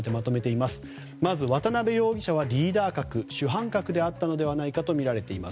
まず、渡邉容疑者はリーダー格主犯格であったのではとみられています。